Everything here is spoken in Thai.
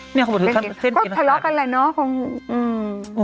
ไปเท่นถ้าลอดกันไหลเนอะ